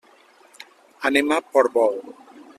Anem a Portbou.